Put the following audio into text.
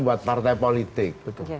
buat partai politik